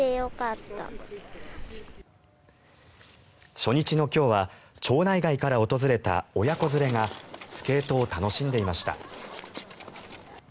初日の今日は町内外から訪れた親子連れがスケートを楽しんでいました。